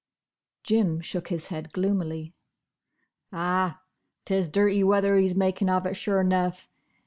Jim shook his head gloomily. "Ah! 'tis dirty weather he's makin' of it, sure 'nough.